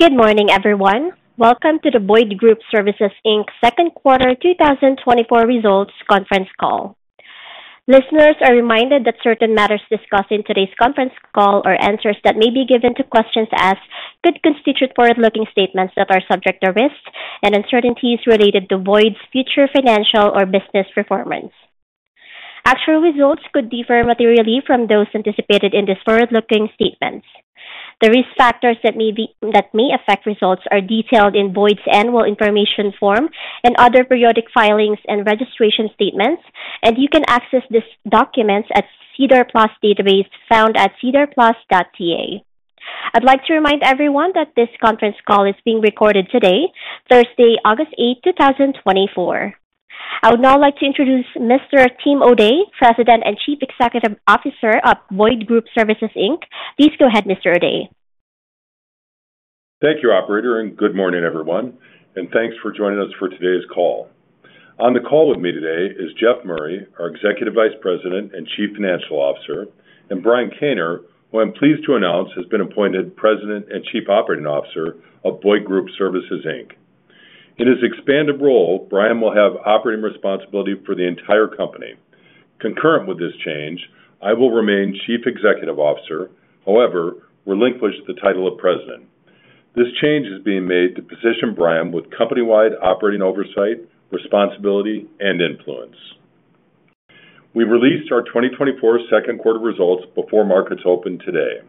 Good morning, everyone. Welcome to the Boyd Group Services Inc.'s Second Quarter 2024 Results Conference Call. Listeners are reminded that certain matters discussed in today's conference call or answers that may be given to questions asked could constitute forward-looking statements that are subject to risks and uncertainties related to Boyd's future financial or business performance. Actual results could differ materially from those anticipated in these forward-looking statements. The risk factors that may affect results are detailed in Boyd's Annual Information Form and other periodic filings and registration statements, and you can access these documents at SEDAR+ database found at sedarplus.ca. I'd like to remind everyone that this conference call is being recorded today, Thursday, August 8, 2024. I would now like to introduce Mr. Tim O'Day, President and Chief Executive Officer of Boyd Group Services Inc. Please go ahead, Mr. O'Day. Thank you, operator, and good morning, everyone, and thanks for joining us for today's call. On the call with me today is Jeff Murray, our Executive Vice President and Chief Financial Officer, and Brian Kaner, who I'm pleased to announce, has been appointed President and Chief Operating Officer of Boyd Group Services Inc. In his expanded role, Brian will have operating responsibility for the entire company. Concurrent with this change, I will remain Chief Executive Officer, however, relinquish the title of President. This change is being made to position Brian with company-wide operating oversight, responsibility, and influence. We released our 2024 second quarter results before markets opened today.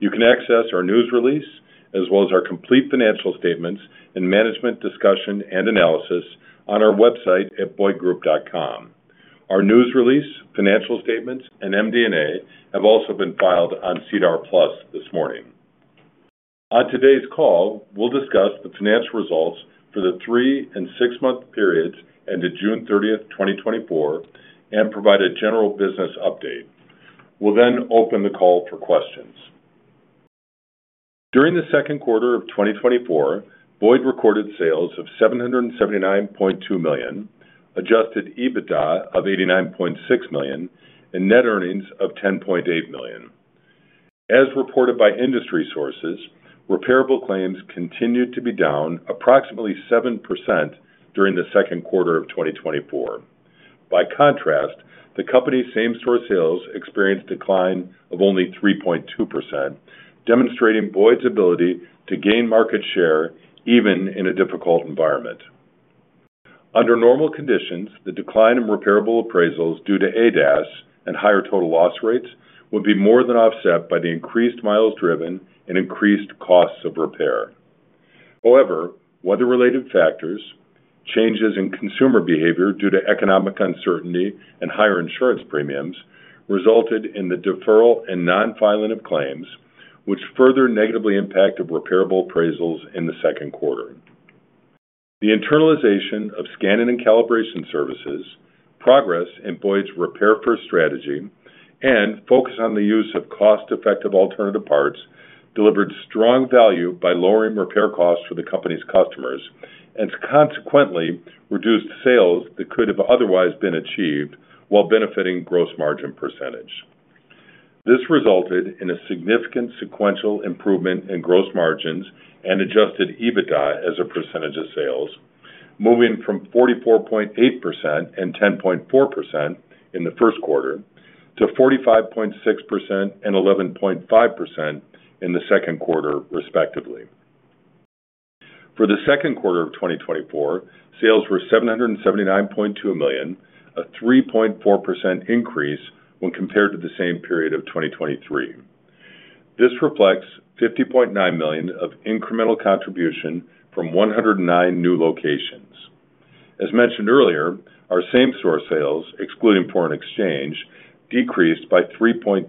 You can access our news release as well as our complete financial statements and Management's Discussion and Analysis on our website at boydgroup.com. Our news release, financial statements, and MD&A have also been filed on SEDAR+ this morning. On today's call, we'll discuss the financial results for the three- and six-month periods ended June 30, 2024, and provide a general business update. We'll then open the call for questions. During the second quarter of 2024, Boyd recorded sales of $779.2 million, Adjusted EBITDA of $89.6 million, and net earnings of $10.8 million. As reported by industry sources, repairable claims continued to be down approximately 7% during the second quarter of 2024. By contrast, the company's same-store sales experienced a decline of only 3.2%, demonstrating Boyd's ability to gain market share even in a difficult environment. Under normal conditions, the decline in repairable appraisals due to ADAS and higher total loss rates would be more than offset by the increased miles driven and increased costs of repair. However, weather-related factors, changes in consumer behavior due to economic uncertainty and higher insurance premiums resulted in the deferral and non-filing of claims, which further negatively impacted repairable appraisals in the second quarter. The internalization of scanning and calibration services, progress in Boyd's Repair First strategy and focus on the use of cost-effective alternative parts delivered strong value by lowering repair costs for the company's customers and consequently reduced sales that could have otherwise been achieved while benefiting gross margin percentage. This resulted in a significant sequential improvement in gross margins and Adjusted EBITDA as a percentage of sales, moving from 44.8% and 10.4% in the first quarter to 45.6% and 11.5% in the second quarter, respectively. For the second quarter of 2024, sales were $779.2 million, a 3.4% increase when compared to the same period of 2023. This reflects $50.9 million of incremental contribution from 109 new locations. As mentioned earlier, our same-store sales, excluding foreign exchange, decreased by 3.2%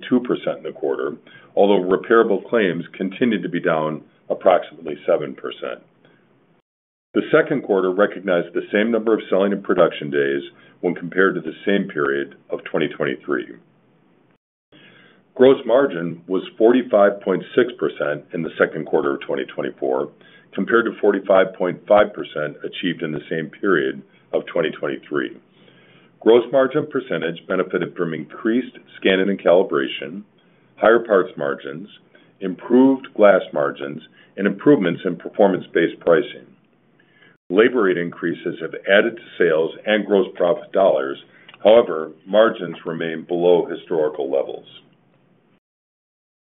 in the quarter, although repairable claims continued to be down approximately 7%. The second quarter recognized the same number of selling and production days when compared to the same period of 2023. Gross margin was 45.6% in the second quarter of 2024, compared to 45.5% achieved in the same period of 2023. Gross margin percentage benefited from increased scanning and calibration, higher parts margins, improved glass margins, and improvements in performance-based pricing. Labor rate increases have added to sales and gross profit dollars. However, margins remain below historical levels.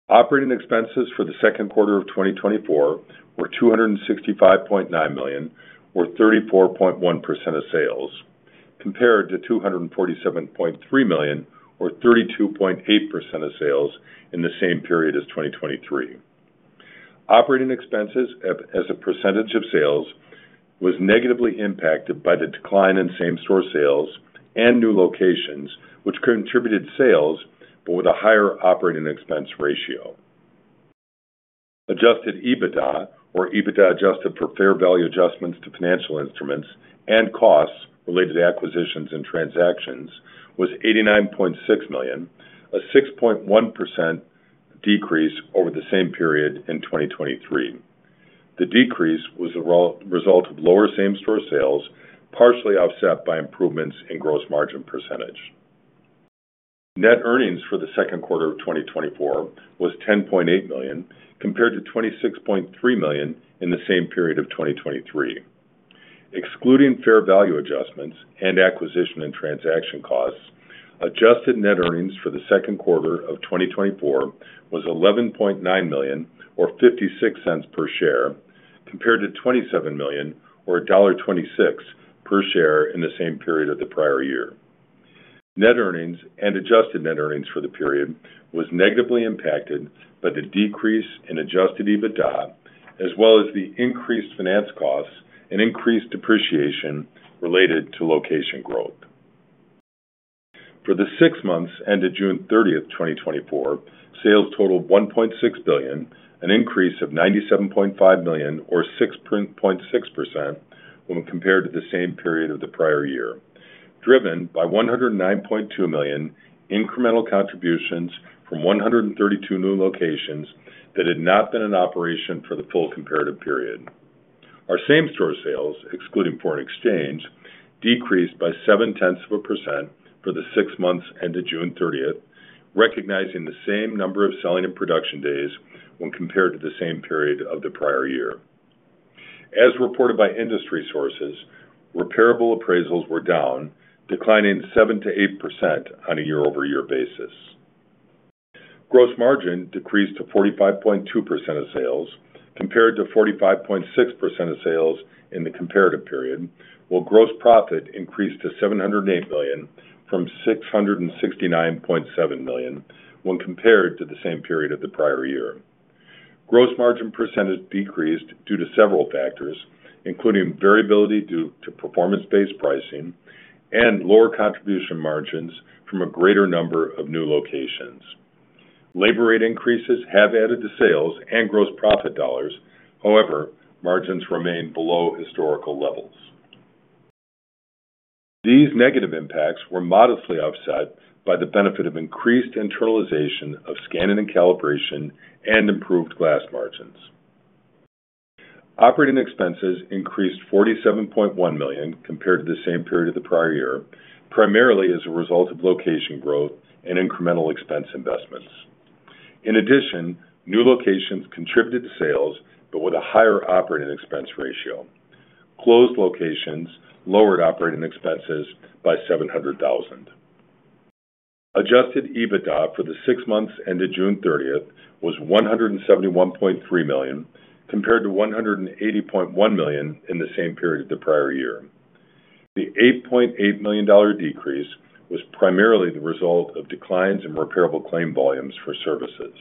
Operating expenses for the second quarter of 2024 were CAD $265.9 million, or 34.1% of sales, compared to CAD $247.3 million or 32.8% of sales in the same period as 2023. Operating expenses as a percentage of sales was negatively impacted by the decline in same-store sales and new locations, which contributed sales but with a higher operating expense ratio. Adjusted EBITDA, or EBITDA adjusted for fair value adjustments to financial instruments and costs related to acquisitions and transactions, was CAD $89.6 million, a 6.1% decrease over the same period in 2023. The decrease was a result of lower same-store sales, partially offset by improvements in gross margin percentage. Net earnings for the second quarter of 2024 was $10.8 million, compared to $26.3 million in the same period of 2023. Excluding fair value adjustments and acquisition and transaction costs, Adjusted Net Earnings for the second quarter of 2024 was $11.9 million, or $0.56 per share, compared to $27 million or $1.26 per share in the same period of the prior year. Net earnings and Adjusted Net Earnings for the period was negatively impacted by the decrease in Adjusted EBITDA, as well as the increased finance costs and increased depreciation related to location growth. For the six months ended June 30, 2024, sales totaled CAD $1.6 billion, an increase of CAD $97.5 million, or 6.6% when compared to the same period of the prior year, driven by CAD $109.2 million incremental contributions from 132 new locations that had not been in operation for the full comparative period. Our same-store sales, excluding foreign exchange, decreased by 0.7% for the six months ended June 30, recognizing the same number of selling and production days when compared to the same period of the prior year. As reported by industry sources, repairable appraisals were down, declining 7%-8% on a year-over-year basis. Gross margin decreased to 45.2% of sales, compared to 45.6% of sales in the comparative period, while gross profit increased to CAD $708 million from CAD $669.7 million when compared to the same period of the prior year. Gross margin percentage decreased due to several factors, including variability due to performance-based pricing and lower contribution margins from a greater number of new locations. Labor rate increases have added to sales and gross profit dollars. However, margins remain below historical levels. These negative impacts were modestly offset by the benefit of increased internalization of scanning and calibration and improved glass margins. Operating expenses increased CAD $47.1 million compared to the same period of the prior year, primarily as a result of location growth and incremental expense investments. In addition, new locations contributed to sales, but with a higher operating expense ratio. Closed locations lowered operating expenses by $700,000. Adjusted EBITDA for the six months ended June 30 was $171.3 million, compared to $180.1 million in the same period of the prior year. The $8.8 million decrease was primarily the result of declines in repairable claim volumes for services.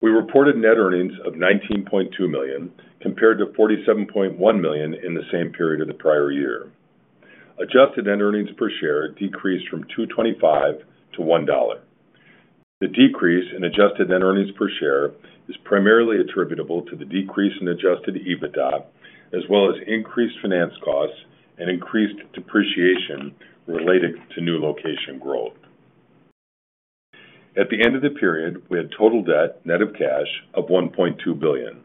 We reported net earnings of $19.2 million, compared to $47.1 million in the same period of the prior year. Adjusted net earnings per share decreased from $2.25 to $1. The decrease in Adjusted Net Earnings per share is primarily attributable to the decrease in Adjusted EBITDA, as well as increased finance costs and increased depreciation related to new location growth. At the end of the period, we had total debt net of cash of CAD $1.2 billion.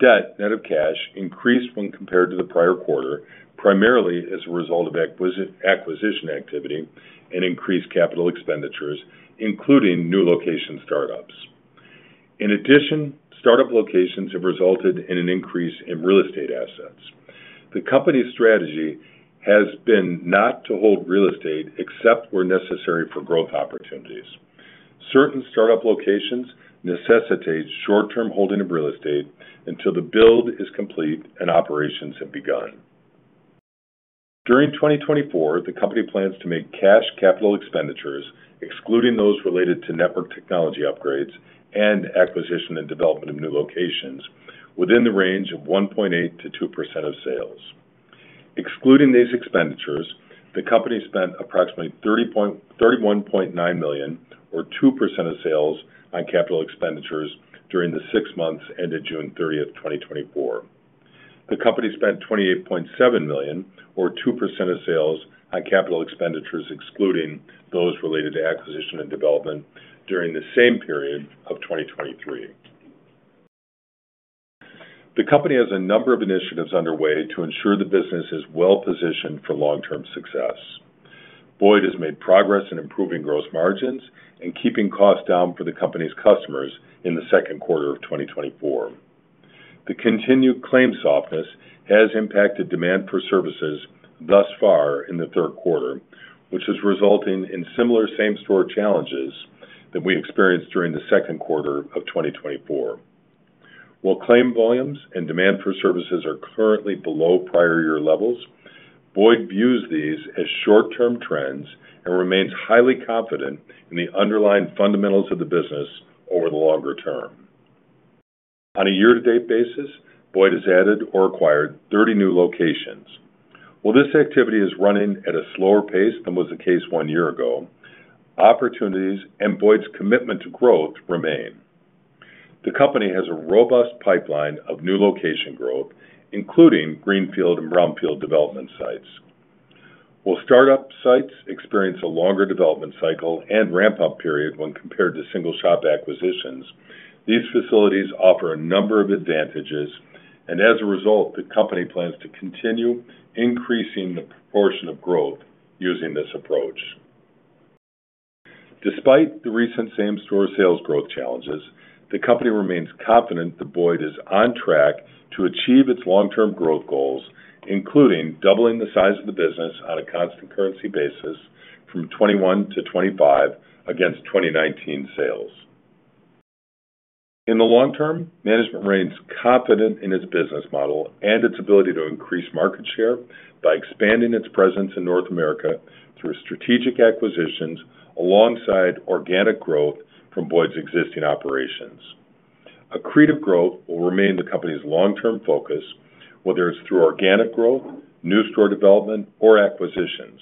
Debt net of cash increased when compared to the prior quarter, primarily as a result of acquisition, acquisition activity and increased capital expenditures, including new location startups. In addition, startup locations have resulted in an increase in real estate assets. The company's strategy has been not to hold real estate except where necessary for growth opportunities. Certain startup locations necessitate short-term holding of real estate until the build is complete and operations have begun. During 2024, the company plans to make cash capital expenditures, excluding those related to network technology upgrades and acquisition and development of new locations, within the range of 1.8%-2% of sales. Excluding these expenditures, the company spent approximately $31.9 million, or 2% of sales, on capital expenditures during the six months ended June 30, 2024. The company spent $28.7 million, or 2% of sales, on capital expenditures, excluding those related to acquisition and development during the same period of 2023. The company has a number of initiatives underway to ensure the business is well positioned for long-term success. Boyd has made progress in improving gross margins and keeping costs down for the company's customers in the second quarter of 2024. The continued claims softness has impacted demand for services thus far in the third quarter, which is resulting in similar same-store challenges that we experienced during the second quarter of 2024. While claim volumes and demand for services are currently below prior year levels, Boyd views these as short-term trends and remains highly confident in the underlying fundamentals of the business over the longer term. On a year-to-date basis, Boyd has added or acquired 30 new locations. While this activity is running at a slower pace than was the case one year ago, opportunities and Boyd's commitment to growth remain. The company has a robust pipeline of new location growth, including greenfield and brownfield development sites. While startup sites experience a longer development cycle and ramp-up period when compared to single-shop acquisitions. These facilities offer a number of advantages, and as a result, the company plans to continue increasing the proportion of growth using this approach. Despite the recent same-store sales growth challenges, the company remains confident that Boyd is on track to achieve its long-term growth goals, including doubling the size of the business on a constant currency basis from 2021 to 2025 against 2019 sales. In the long term, management remains confident in its business model and its ability to increase market share by expanding its presence in North America through strategic acquisitions, alongside organic growth from Boyd's existing operations. Accretive growth will remain the company's long-term focus, whether it's through organic growth, new store development, or acquisitions.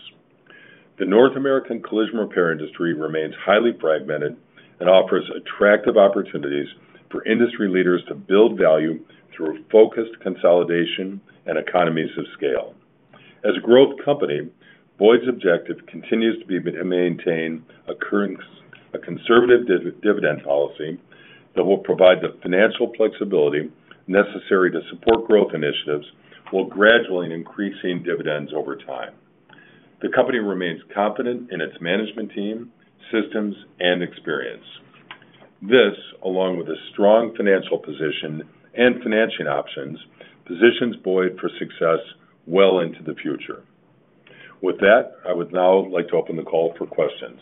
The North American collision repair industry remains highly fragmented and offers attractive opportunities for industry leaders to build value through focused consolidation and economies of scale. As a growth company, Boyd's objective continues to be to maintain a conservative dividend policy that will provide the financial flexibility necessary to support growth initiatives, while gradually increasing dividends over time. The company remains confident in its management team, systems, and experience. This, along with a strong financial position and financing options, positions Boyd for success well into the future. With that, I would now like to open the call for questions.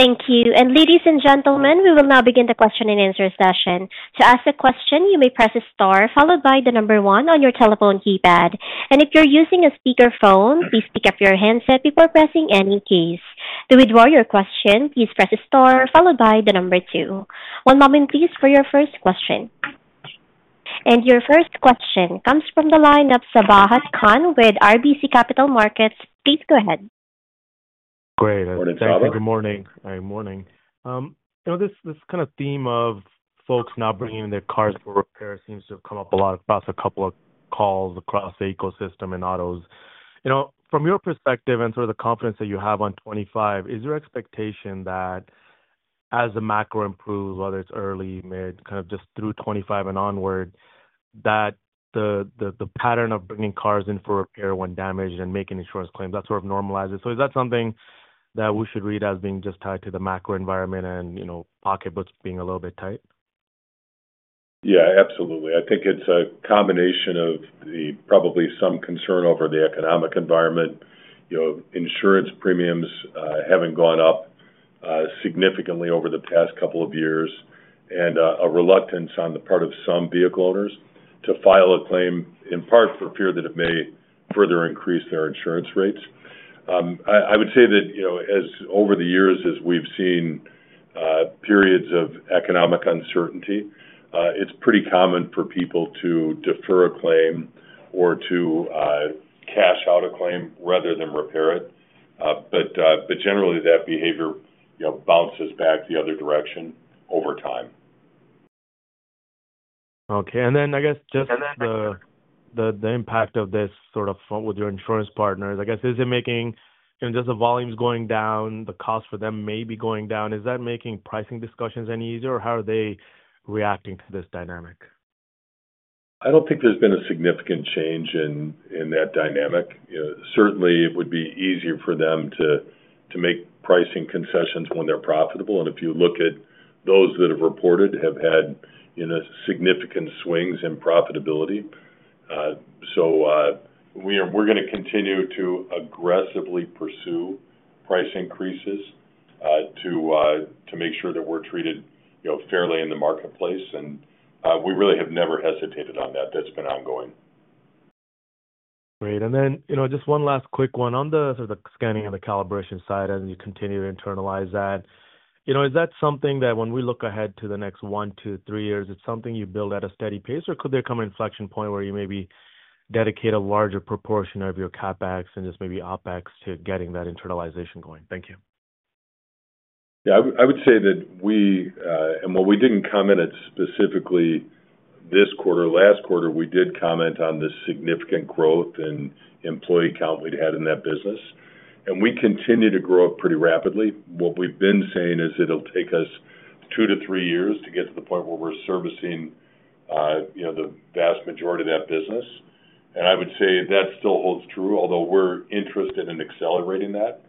Operator? Thank you. Ladies and gentlemen, we will now begin the Q&A session. To ask a question, you may press star followed by the number one on your telephone keypad, and if you're using a speakerphone, please pick up your handset before pressing any keys. To withdraw your question, please press star followed by the number two. One moment please, for your first question. And your first question comes from the line of Sabahat Khan with RBC Capital Markets. Please go ahead. Great. Good morning, Sabahat. Good morning. Morning. So this, this kind of theme of folks not bringing their cars for repair seems to have come up a lot across a couple of calls across the ecosystem and autos. You know, from your perspective and sort of the confidence that you have on 2025, is your expectation that as the macro improves, whether it's early, mid, kind of just through 2025 and onward, that the the pattern of bringing cars in for repair when damaged and making insurance claims, that sort of normalizes? So is that something that we should read as being just tied to the macro environment and, you know, pocketbooks being a little bit tight? Yeah, absolutely. I think it's a combination of the probably some concern over the economic environment. You know, insurance premiums having gone up significantly over the past couple of years, and a reluctance on the part of some vehicle owners to file a claim, in part for fear that it may further increase their insurance rates. I would say that, you know, as over the years, as we've seen periods of economic uncertainty, it's pretty common for people to defer a claim or to cash out a claim rather than repair it. But but generally, that behavior, you know, bounces back the other direction over time. Okay. And then I guess, just the the impact of this sort of with your insurance partners, I guess, is it making, you know, just the volumes going down, the cost for them may be going down. Is that making pricing discussions any easier, or how are they reacting to this dynamic? I don't think there's been a significant change in in that dynamic. You know, certainly it would be easier for them to to make pricing concessions when they're profitable, and if you look at those that have reported have had you know significant swings in profitability. So we're, we're gonna continue to aggressively pursue price increases to to make sure that we're treated you know fairly in the marketplace. And we really have never hesitated on that. That's been ongoing. Great. And then, you know, just one last quick one. On the sort of the scanning and the calibration side, as you continue to internalize that, you know, is that something that when we look ahead to the next one to three years, it's something you build at a steady pace? Or could there come an inflection point where you maybe dedicate a larger proportion of your CapEx and just maybe OpEx to getting that internalization going? Thank you. Yeah. I would, I would say that we -- and while we didn't comment it specifically this quarter, last quarter, we did comment on the significant growth in employee count we'd had in that business, and we continue to grow it pretty rapidly. What we've been saying is it'll take us 2-3 years to get to the point where we're servicing, you know, the vast majority of that business. And I would say that still holds true, although we're interested in accelerating that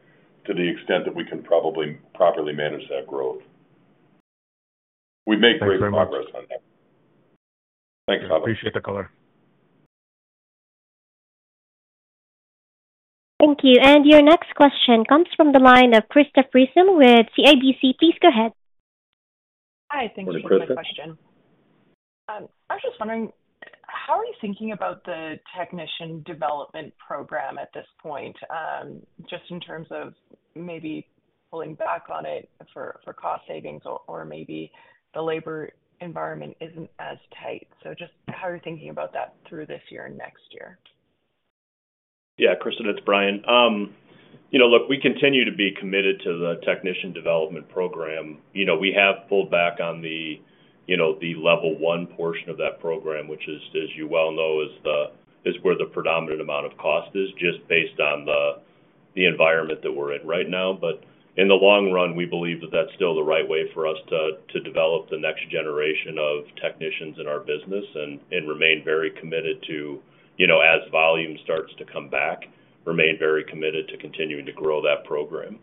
to the extent that we can probably properly manage that growth. We've made great progress on that. Thank you very much. Thanks, Sabahat. Appreciate the color. Thank you. Your next question comes from the line of Krista Friesen with CIBC. Please go ahead. Hi. Thank you for the question. Good morning, Krista. I was just wondering, how are you thinking about the Technician Development Program at this point? Just in terms of maybe pulling back on it for for cost savings, or maybe the labor environment isn't as tight. So just how are you thinking about that through this year and next year? Yeah, Krista, it's Brian. You know, look, we continue to be committed to the Technician Development Program. You know, we have pulled back on the, you know, the level one portion of that program, which is, as you well know, is the, is where the predominant amount of cost is, just based on the-... the environment that we're in right now. But in the long run, we believe that that's still the right way for us to develop the next generation of technicians in our business and remain very committed to, you know, as volume starts to come back, remain very committed to continuing to grow that program.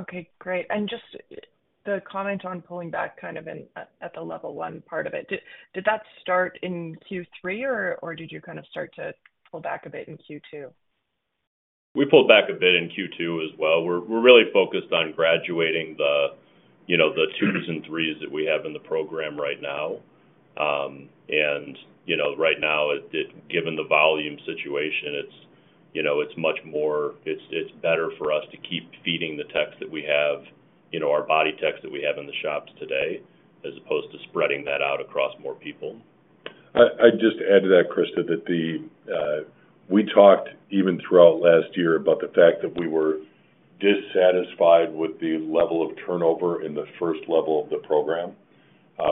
Okay, great. And just the comment on pulling back kind of in at the level one part of it. Did that start in Q3, or did you kind of start to pull back a bit in Q2? We pulled back a bit in Q2 as well. We're really focused on graduating the, you know, the twos and threes that we have in the program right now. And, you know, right now, it—given the volume situation, it's, you know, it's much more—it's it's better for us to keep feeding the techs that we have, you know, our body techs that we have in the shops today, as opposed to spreading that out across more people. I'd just add to that, Krista, that we talked even throughout last year about the fact that we were dissatisfied with the level of turnover in the first level of the program,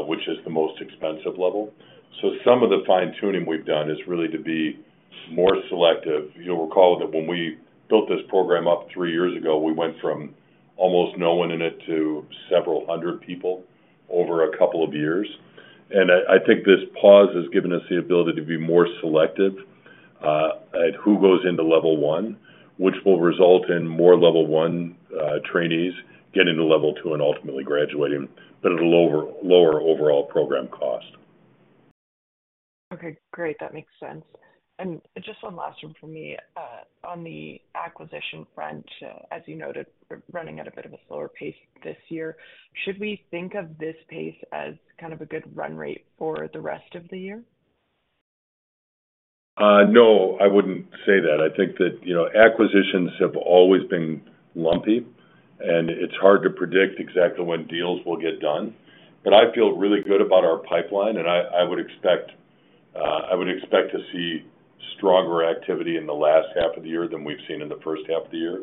which is the most expensive level. So some of the fine-tuning we've done is really to be more selective. You'll recall that when we built this program up three years ago, we went from almost no one in it to several hundred people over a couple of years. And I think this pause has given us the ability to be more selective at who goes into level one, which will result in more level one trainees getting to level two and ultimately graduating, but at a lower lower overall program cost. Okay, great. That makes sense. And just one last one from me. On the acquisition front, as you noted, we're running at a bit of a slower pace this year. Should we think of this pace as kind of a good run rate for the rest of the year? No, I wouldn't say that. I think that, you know, acquisitions have always been lumpy, and it's hard to predict exactly when deals will get done. But I feel really good about our pipeline, and I, I would expect, I would expect to see stronger activity in the last half of the year than we've seen in the first half of the year,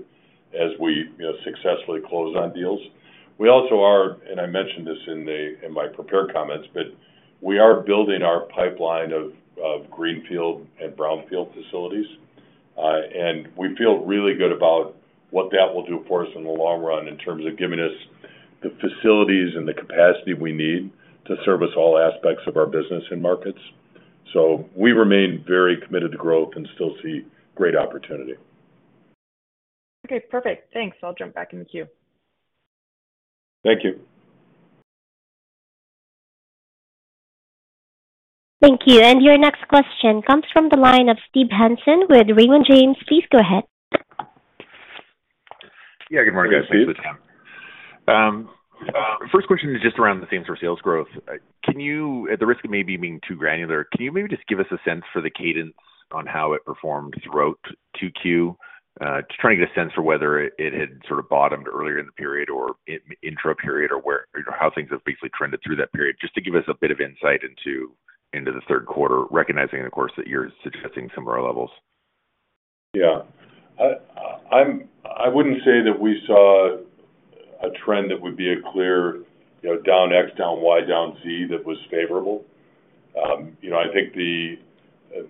as we, you know, successfully close on deals. We also are, and I mentioned this in my prepared comments, but we are building our pipeline of, of greenfield and brownfield facilities. And we feel really good about what that will do for us in the long run, in terms of giving us the facilities and the capacity we need to service all aspects of our business and markets. So we remain very committed to growth and still see great opportunity. Okay, perfect. Thanks. I'll jump back in the queue. Thank you. Thank you. And your next question comes from the line of Steve Hansen with Raymond James. Please go ahead. Yeah, good morning, guys. Thanks for the time. First question is just around the same-store sales growth. Can you, at the risk of maybe being too granular, can you maybe just give us a sense for the cadence on how it performed throughout 2Q? Just trying to get a sense for whether it had sort of bottomed earlier in the period or in intro period, or where, or how things have basically trended through that period, just to give us a bit of insight into the third quarter, recognizing, of course, that you're suggesting similar levels. Yeah. I wouldn't say that we saw a trend that would be a clear, you know, down X, down Y, down Z, that was favorable. You know, I think the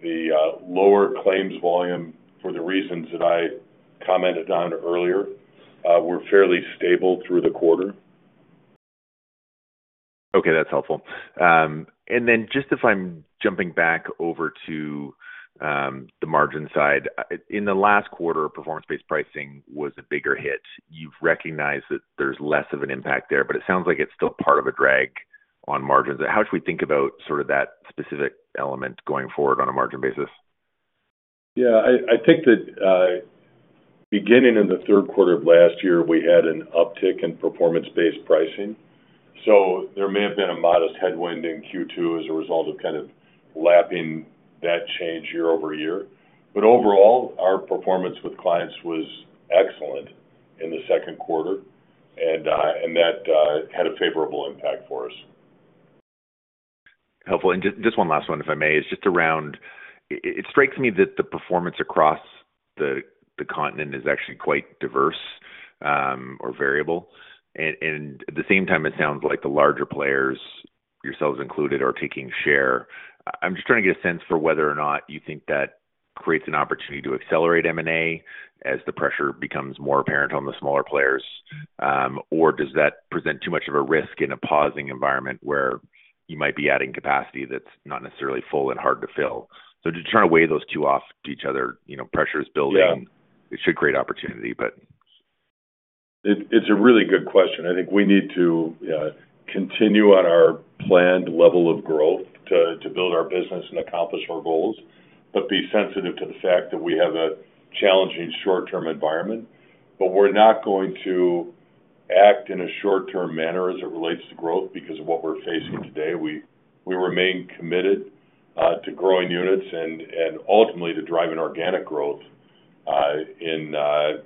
the lower claims volume, for the reasons that I commented on earlier, were fairly stable through the quarter. Okay, that's helpful. And then just if I'm jumping back over to the margin side, in the last quarter, performance-based pricing was a bigger hit. You've recognized that there's less of an impact there, but it sounds like it's still part of a drag on margins. How should we think about sort of that specific element going forward on a margin basis? Yeah, I think that beginning in the third quarter of last year, we had an uptick in performance-based pricing, so there may have been a modest headwind in Q2 as a result of kind of lapping that change year-over-year. But overall, our performance with clients was excellent in the second quarter, and that had a favorable impact for us. Helpful. And just one last one, if I may. It's just around... it strikes me that the performance across the continent is actually quite diverse, or variable. And and at the same time, it sounds like the larger players, yourselves included, are taking share. I'm just trying to get a sense for whether or not you think that creates an opportunity to accelerate M&A as the pressure becomes more apparent on the smaller players, or does that present too much of a risk in a pausing environment where you might be adding capacity that's not necessarily full and hard to fill? So just trying to weigh those two off to each other, you know, pressure is building- Yeah. It should create opportunity, but- It's a really good question. I think we need to continue on our planned level of growth to build our business and accomplish our goals, but be sensitive to the fact that we have a challenging short-term environment. But we're not going to act in a short-term manner as it relates to growth because of what we're facing today. We we remain committed to growing units and and ultimately to driving organic growth in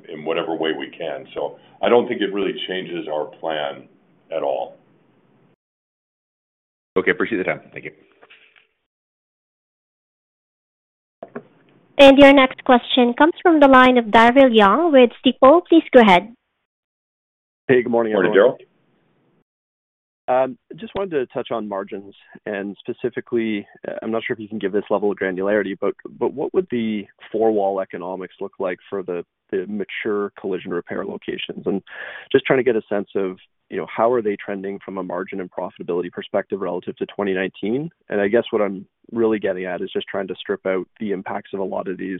in whatever way we can. So I don't think it really changes our plan at all. Okay. Appreciate the time. Thank you. Your next question comes from the line of Daryl Young with Stifel. Please go ahead. Hey, good morning, everyone. Good morning, Daryl. Just wanted to touch on margins, and specifically, I'm not sure if you can give this level of granularity, but what would the four-wall economics look like for the mature collision repair locations? And just trying to get a sense of, you know, how are they trending from a margin and profitability perspective relative to 2019. And I guess what I'm really getting at is just trying to strip out the impacts of a lot of these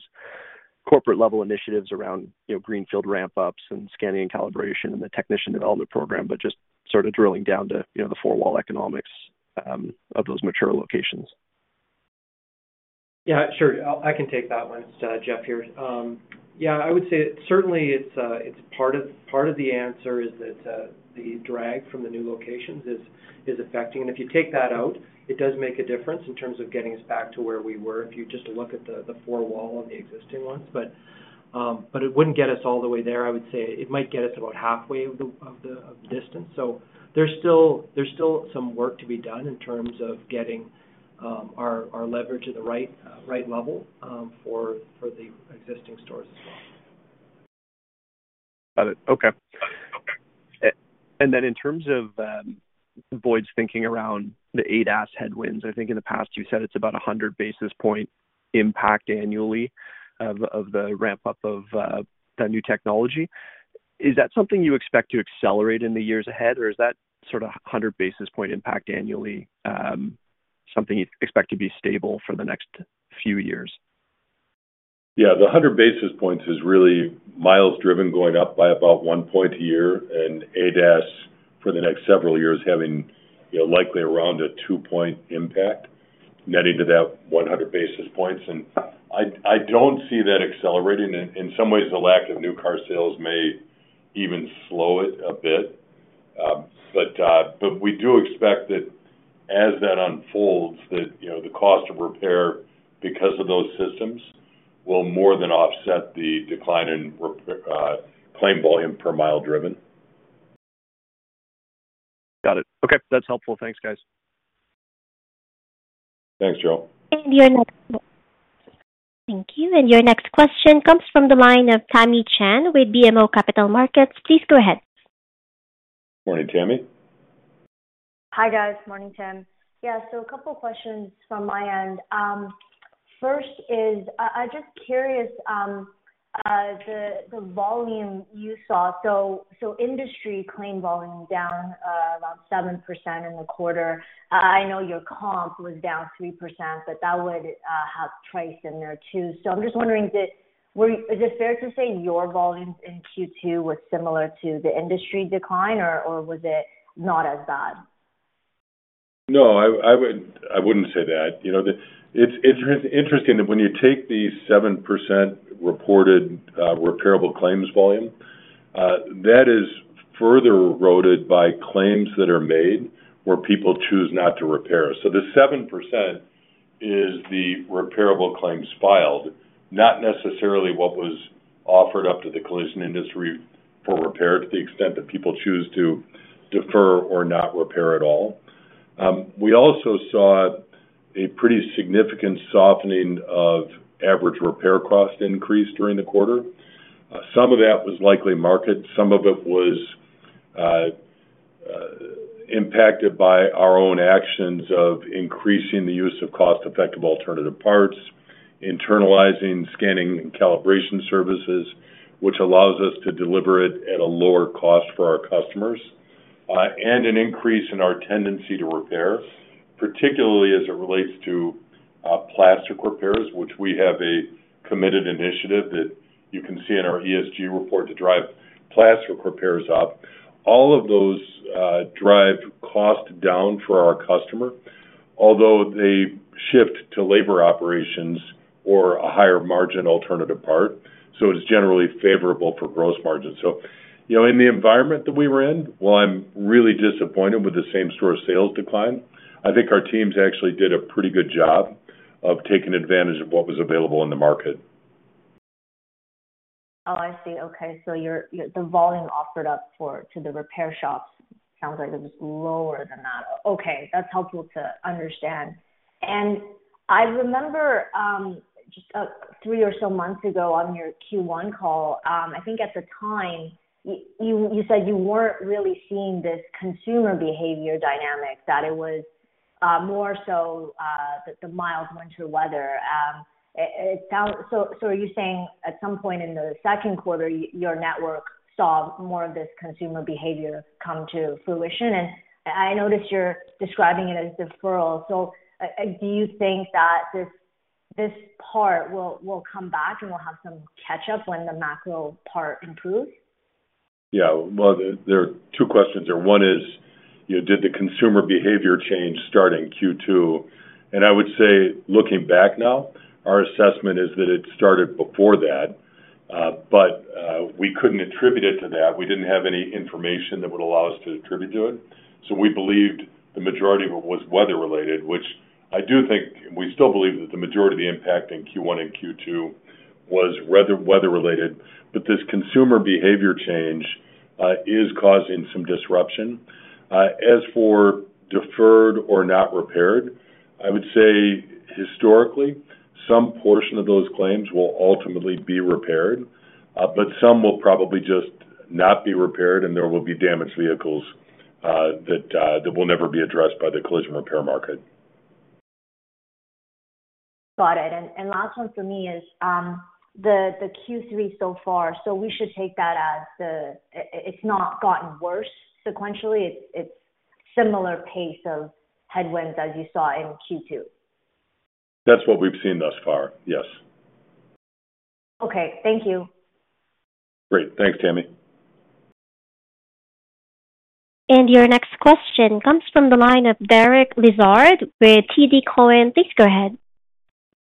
corporate-level initiatives around, you know, greenfield ramp-ups and scanning and calibration and the Technician Development Program, but just sort of drilling down to, you know, the four-wall economics of those mature locations. Yeah, sure. I, I can take that one. It's, Jeff here. Yeah, I would say certainly it's, it's part of, part of the answer is that, the drag from the new locations is, is affecting. And if you take that out, it does make a difference in terms of getting us back to where we were, if you just look at the, the four wall of the existing ones. But, but it wouldn't get us all the way there. I would say it might get us about halfway of the, of the, of distance. So there's still, there's still some work to be done in terms of getting, our, our leverage at the right, right level, for, for the existing stores as well. Got it. Okay. Okay. And then in terms of Boyd's thinking around the ADAS headwinds, I think in the past you said it's about 100 basis point impact annually of the ramp-up of the new technology. Is that something you expect to accelerate in the years ahead, or is that sort of 100 basis point impact annually something you'd expect to be stable for the next few years? Yeah, the 100 basis points is really miles driven, going up by about 1 point a year, and ADAS for the next several years, having, you know, likely around a 2-point impact, netting to that 100 basis points. And I, I don't see that accelerating. In some ways, the lack of new car sales may even slow it a bit. But but we do expect that as that unfolds, that, you know, the cost of repair, because of those systems, will more than offset the decline in claim volume per mile driven. Got it. Okay, that's helpful. Thanks, guys. Thanks, Daryl. Your next... Thank you. Your next question comes from the line of Tamy Chen with BMO Capital Markets. Please go ahead. Morning, Tamy. Hi, guys. Morning, Tim. Yeah, so a couple questions from my end. First is, I just curious, the volume you saw. So industry claim volume down about 7% in the quarter. I know your comp was down 3%, but that would have Texas in there, too. So I'm just wondering, is it fair to say your volumes in Q2 were similar to the industry decline, or or was it not as bad? No, I would, I wouldn't say that. You know, it's it's interesting that when you take the 7% reported repairable claims volume, that is further eroded by claims that are made where people choose not to repair. So the 7% is the repairable claims filed, not necessarily what was offered up to the collision industry for repair, to the extent that people choose to defer or not repair at all. We also saw a pretty significant softening of average repair cost increase during the quarter. Some of that was likely market. Some of it was impacted by our own actions of increasing the use of cost-effective alternative parts, internalizing scanning and calibration services, which allows us to deliver it at a lower cost for our customers, and an increase in our tendency to repair, particularly as it relates to plastic repairs, which we have a committed initiative that you can see in our ESG report to drive plastic repairs up. All of those drive cost down for our customer, although they shift to labor operations or a higher margin alternative part, so it's generally favorable for gross margin. So, you know, in the environment that we were in, while I'm really disappointed with the same-store sales decline, I think our teams actually did a pretty good job of taking advantage of what was available in the market. Oh, I see. Okay. So your, the volume offered up for, to the repair shops sounds like it was lower than that. Okay, that's helpful to understand. And I remember just three or so months ago on your Q1 call, I think at the time, you said you weren't really seeing this consumer behavior dynamic, that it was more so the mild winter weather. It sounds so are you saying at some point in the second quarter, your network saw more of this consumer behavior come to fruition? And I notice you're describing it as deferral. So do you think that this this part will will come back and will have some catch-up when the macro part improves? Yeah. Well, there are two questions there. One is, you know, did the consumer behavior change start in Q2? And I would say, looking back now, our assessment is that it started before that, but we couldn't attribute it to that. We didn't have any information that would allow us to attribute to it. So we believed the majority of it was weather-related, which I do think we still believe that the majority of the impact in Q1 and Q2 was weather, weather-related, but this consumer behavior change is causing some disruption. As for deferred or not repaired, I would say historically some portion of those claims will ultimately be repaired, but some will probably just not be repaired, and there will be damaged vehicles that will never be addressed by the collision repair market. Got it. And last one for me is the Q3 so far. So we should take that as it's not gotten worse sequentially, it's similar pace of headwinds as you saw in Q2? That's what we've seen thus far. Yes. Okay. Thank you. Great. Thanks, Tamy. Your next question comes from the line of Derek Lessard with TD Cowen. Please go ahead.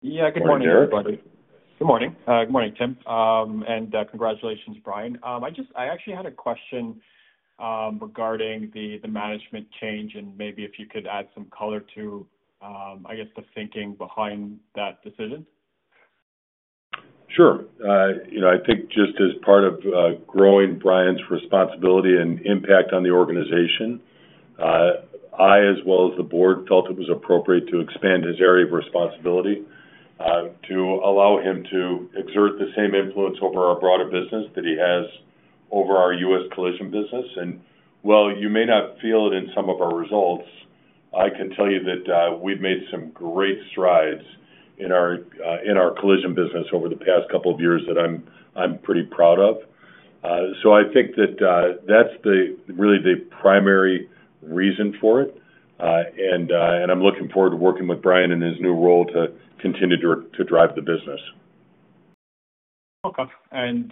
Yeah, good morning, everybody. Good morning, Derek. Good morning. Good morning, Tim. Congratulations, Brian. I actually had a question regarding the management change, and maybe if you could add some color to, I guess, the thinking behind that decision. Sure. You know, I think just as part of growing Brian's responsibility and impact on the organization, I, as well as the board, felt it was appropriate to expand his area of responsibility to allow him to exert the same influence over our broader business that he has over our U.S. collision business. And while you may not feel it in some of our results, I can tell you that we've made some great strides in our, in our collision business over the past couple of years that I'm I'm pretty proud of. So I think that that's really the primary reason for it. And I'm looking forward to working with Brian in his new role to continue to drive the business. Okay. And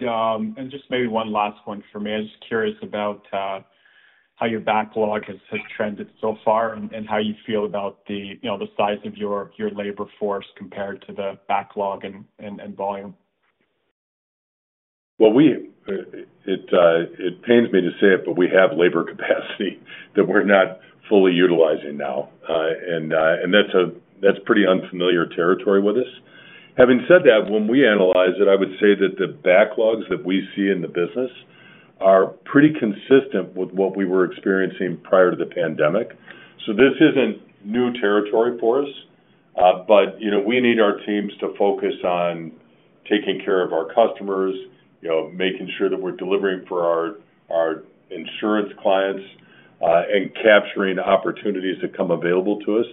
just maybe one last one for me. I'm just curious about how your backlog has trended so far, and how you feel about the, you know, the size of your labor force compared to the backlog and and volume. Well, it pains me to say it, but we have labor capacity that we're not fully utilizing now. And and that's pretty unfamiliar territory with us. Having said that, when we analyze it, I would say that the backlogs that we see in the business are pretty consistent with what we were experiencing prior to the pandemic. So this isn't new territory for us, but, you know, we need our teams to focus on taking care of our customers, you know, making sure that we're delivering for our our insurance clients, and capturing opportunities that come available to us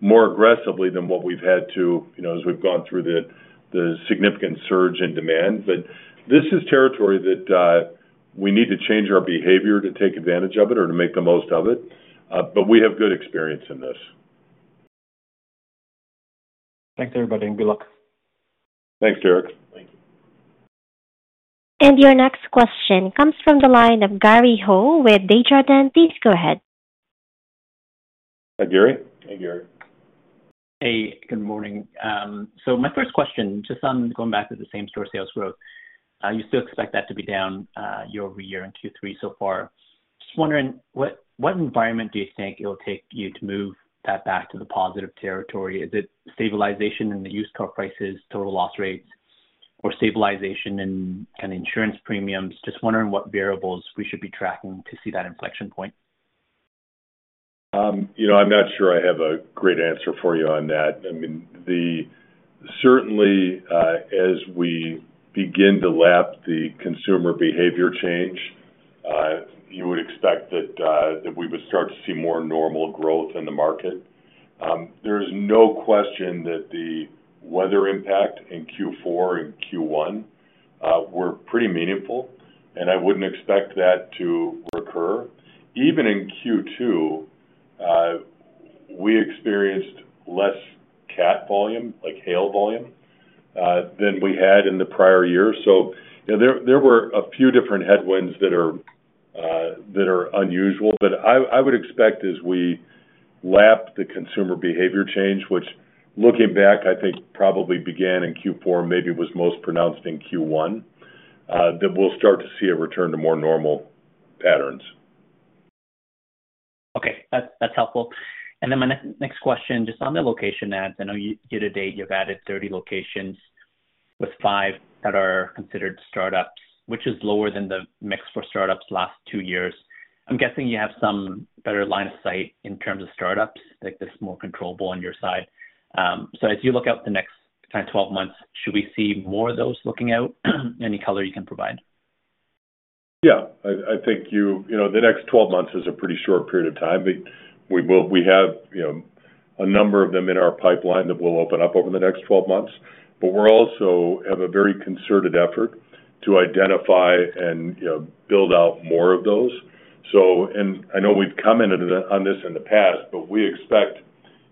more aggressively than what we've had to, you know, as we've gone through the the significant surge in demand. But this is territory that we need to change our behavior to take advantage of it or to make the most of it, but we have good experience in this. Thanks, everybody, and good luck. Thanks, Derek. Your next question comes from the line of Gary Ho with Desjardins Capital Markets. Please go ahead. Hi, Gary. Hey, Gary. Hey, good morning. So my first question, just on going back to the same-store sales growth. You still expect that to be down year-over-year in Q3 so far. Just wondering, what, what environment do you think it will take you to move that back to the positive territory? Is it stabilization in the used car prices, total loss rates, or stabilization in kind of insurance premiums? Just wondering what variables we should be tracking to see that inflection point. You know, I'm not sure I have a great answer for you on that. I mean, the certainly, as we begin to lap the consumer behavior change, you would expect that that we would start to see more normal growth in the market. There's no question that the weather impact in Q4 and Q1 were pretty meaningful, and I wouldn't expect that to recur. Even in Q2, we experienced less cat volume, like hail volume, than we had in the prior year. So, you know, there, there were a few different headwinds that are that are unusual. But I, I would expect as we lap the consumer behavior change, which, looking back, I think probably began in Q4, maybe was most pronounced in Q1, that we'll start to see a return to more normal patterns. Okay, that's helpful. And then my next question, just on the location adds. I know year to date, you've added 30 locations, with five that are considered startups, which is lower than the mix for startups last two years. I'm guessing you have some better line of sight in terms of startups, like this is more controllable on your side. So as you look out the next 10, 12 months, should we see more of those looking out? Any color you can provide? Yeah. I think you know, the next 12 months is a pretty short period of time, but we will—we have, you know, a number of them in our pipeline that will open up over the next 12 months. But we're also have a very concerted effort to identify and, you know, build out more of those. So and I know we've commented on this in the past, but we expect,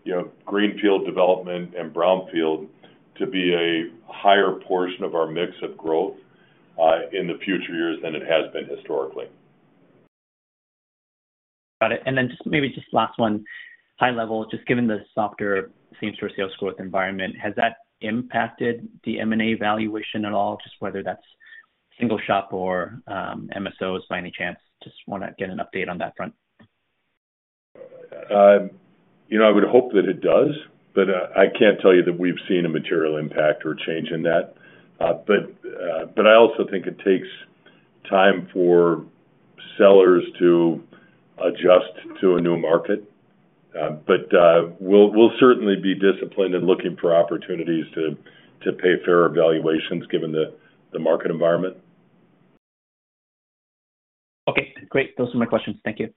you know, greenfield development and brownfield to be a higher portion of our mix of growth in the future years than it has been historically. Got it. And then just, maybe just last one. High level, just given the softer same-store sales growth environment, has that impacted the M&A valuation at all? Just whether that's single shop or, MSOs, by any chance? Just wanna get an update on that front. You know, I would hope that it does, but I I can't tell you that we've seen a material impact or change in that. But but I also think it takes time for sellers to adjust to a new market. But we'll, we'll certainly be disciplined in looking for opportunities to to pay fair valuations given the market environment. Okay, great. Those are my questions. Thank you.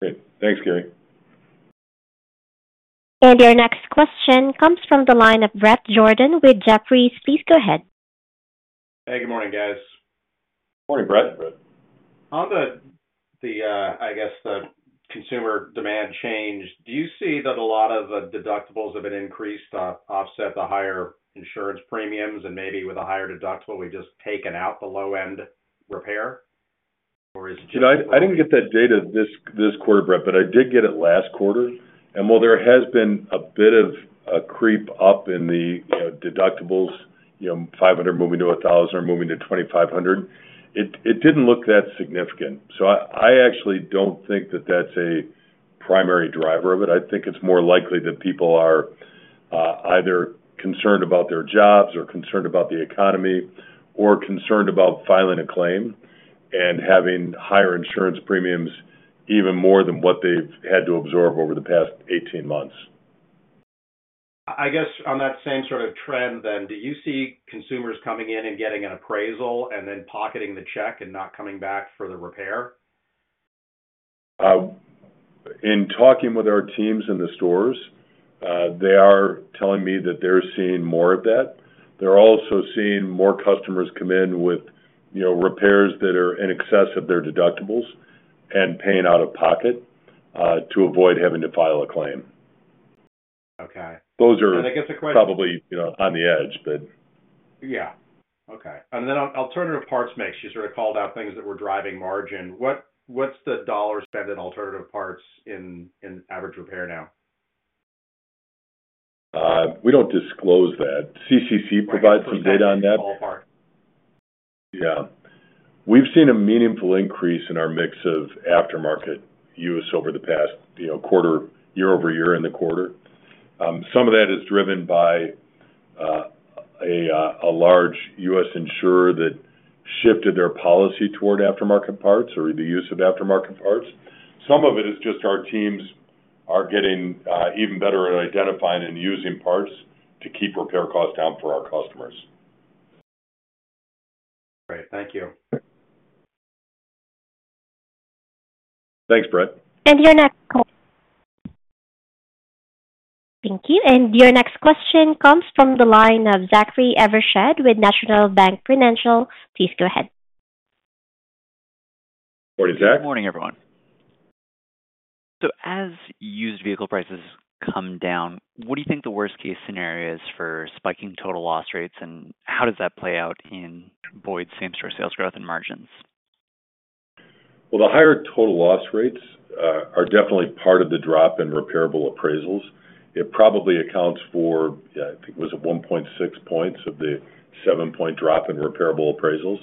Great. Thanks, Gary. Your next question comes from the line of Bret Jordan with Jefferies. Please go ahead. Hey, good morning, guys. Morning, Bret. On the, I guess, consumer demand change, do you see that a lot of the deductibles have been increased to offset the higher insurance premiums, and maybe with a higher deductible, we've just taken out the low-end repair, or is it? You know, I, I didn't get that data this, this quarter, Bret, but I did get it last quarter. And while there has been a bit of a creep up in the, you know, deductibles, you know, $500 moving to $1,000, or moving to $2,500, it, it didn't look that significant. So I, I actually don't think that that's a primary driver of it. I think it's more likely that people are, either concerned about their jobs or concerned about the economy, or concerned about filing a claim and having higher insurance premiums even more than what they've had to absorb over the past 18 months. I guess on that same sort of trend then, do you see consumers coming in and getting an appraisal and then pocketing the check and not coming back for the repair? In talking with our teams in the stores, they are telling me that they're seeing more of that. They're also seeing more customers come in with, you know, repairs that are in excess of their deductibles and paying out of pocket to avoid having to file a claim. Okay. Those are- I guess the question- Probably, you know, on the edge, but- Yeah. Okay. And then on alternative parts mix, you sort of called out things that were driving margin. What what's the dollar spend in alternative parts in an average repair now? We don't disclose that. CCC provides some data on that. Yeah. We've seen a meaningful increase in our mix of aftermarket use over the past, you know, quarter, year-over-year in the quarter. Some of that is driven by a large U.S. insurer that shifted their policy toward aftermarket parts or the use of aftermarket parts. Some of it is just our teams are getting even better at identifying and using parts to keep repair costs down for our customers. Great. Thank you. Thanks, Bret. Your next call... Thank you. Your next question comes from the line of Zachary Evershed with National Bank Financial. Please go ahead. Morning, Zach. Good morning, everyone. So as used vehicle prices come down, what do you think the worst case scenario is for spiking total loss rates, and how does that play out in Boyd's same-store sales growth and margins? Well, the higher total loss rates are definitely part of the drop in repairable appraisals. It probably accounts for, I think it was at 1.6 points of the 7-point drop in repairable appraisals,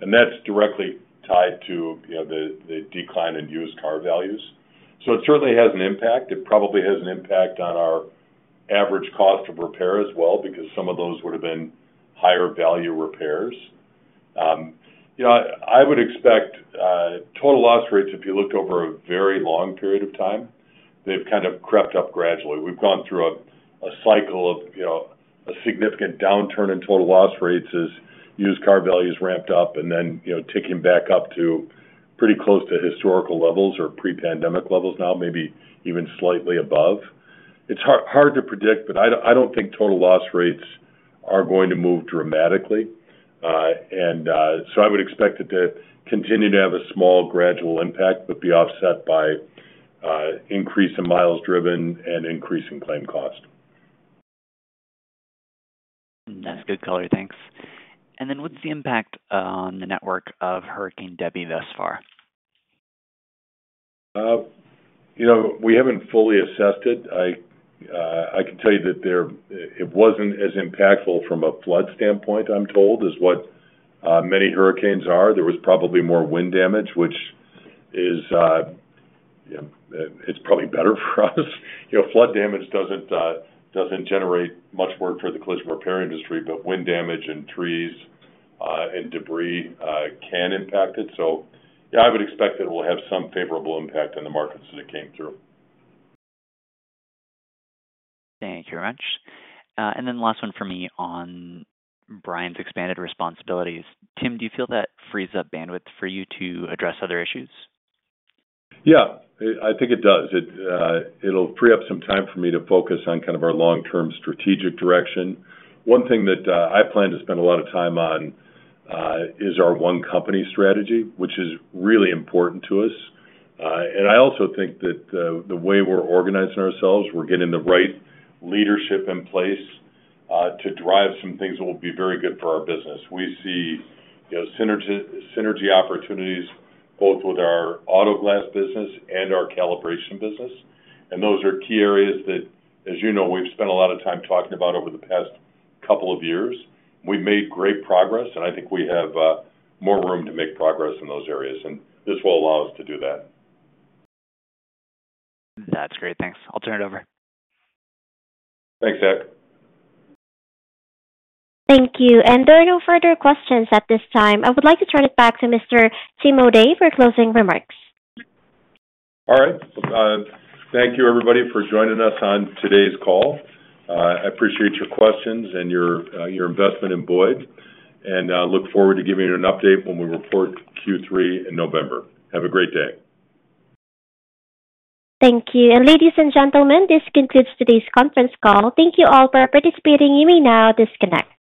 and that's directly tied to, you know, the the decline in used car values. So it certainly has an impact. It probably has an impact on our average cost of repair as well, because some of those would have been higher value repairs. You know, I would expect total loss rates, if you looked over a very long period of time, they've kind of crept up gradually. We've gone through a, a cycle of, you know, a significant downturn in total loss rates as used car values ramped up, and then, you know, ticking back up to pretty close to historical levels or pre-pandemic levels now, maybe even slightly above. It's hard to predict, but I don't think total loss rates are going to move dramatically. And so I would expect it to continue to have a small gradual impact, but be offset by increase in miles driven and increase in claim cost. That's good color. Thanks. And then what's the impact on the network of Hurricane Debby thus far? You know, we haven't fully assessed it. I I can tell you that it wasn't as impactful from a flood standpoint, I'm told, as what many hurricanes are. There was probably more wind damage, which is, you know, it's probably better for us. You know, flood damage doesn't generate much work for the collision repair industry, but wind damage and trees and debris can impact it. So, yeah, I would expect it will have some favorable impact on the markets as it came through. Thank you very much. And then last one for me on Brian's expanded responsibilities. Tim, do you feel that frees up bandwidth for you to address other issues? Yeah, I think it does. It'll free up some time for me to focus on kind of our long-term strategic direction. One thing that I plan to spend a lot of time on is our One Company strategy, which is really important to us. And I also think that the way we're organizing ourselves, we're getting the right leadership in place to drive some things that will be very good for our business. We see, you know, synergy opportunities both with our auto glass business and our calibration business, and those are key areas that, as you know, we've spent a lot of time talking about over the past couple of years. We've made great progress, and I think we have more room to make progress in those areas, and this will allow us to do that. That's great. Thanks. I'll turn it over. Thanks, Zach. Thank you. There are no further questions at this time. I would like to turn it back to Mr. Tim O'Day for closing remarks. All right. Thank you, everybody, for joining us on today's call. I appreciate your questions and your, your investment in Boyd, and, look forward to giving you an update when we report Q3 in November. Have a great day. Thank you. Ladies and gentlemen, this concludes today's conference call. Thank you all for participating. You may now disconnect.